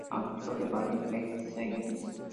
Autor de varios Best Sellers.